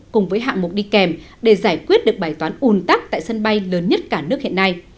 cùng với hạng mục đi kèm để giải quyết được bài toán ùn tắc tại sân bay lớn nhất cả nước hiện nay